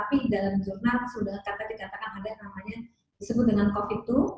tetapi dalam jurnal sudah dikatakan ada namanya disebut dengan covid dua